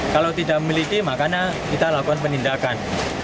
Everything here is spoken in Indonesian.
kalau tidak memiliki makanya kita lakukan penindakan